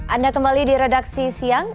anda kembali di redaksi siang